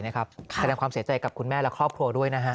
แสดงความเสียใจกับคุณแม่และครอบครัวด้วยนะฮะ